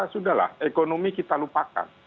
sudahlah ekonomi kita lupakan